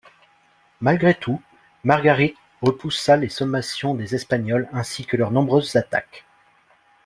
Malgré tout, Margarit repoussa les sommations des Espagnols ainsi que leurs nombreuses attaques.